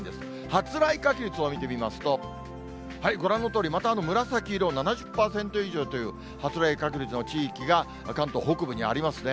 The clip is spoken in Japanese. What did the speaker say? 発雷確率を見てみますと、ご覧のとおり、また紫色、７０％以上という発雷確率の地域が関東北部にありますね。